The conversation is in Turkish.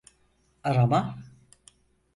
Arama…